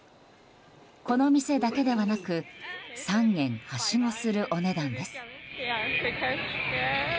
この店だけではなく３軒はしごするお値段です。